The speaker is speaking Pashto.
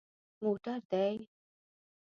_موټر دي؟